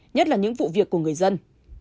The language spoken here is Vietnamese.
nhất là những vụ việc của người dân